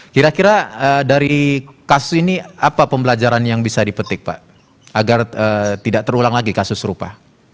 kira kira dari kasus ini apa pembelajaran yang bisa dipetik pak agar tidak terulang lagi kasus serupa